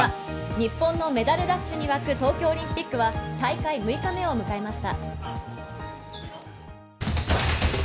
日本のメダルラッシュに沸く東京オリンピックは大会６日目を迎えました。